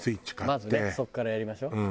まずねそこからやりましょう。